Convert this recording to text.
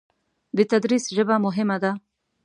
د تدریس ژبه مهمه ده.